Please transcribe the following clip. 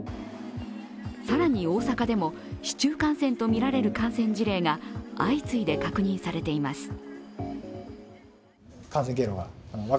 更に、大阪でも市中感染とみられる感染事例が相次いで確認されています。